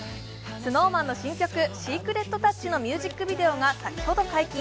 ＳｎｏｗＭａｎの新曲「ＳｅｃｒｅｔＴｏｕｃｈ」のミュージックビデオが先ほど解禁。